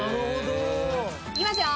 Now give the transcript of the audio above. いきますよ。